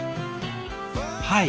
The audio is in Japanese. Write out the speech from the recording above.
はい。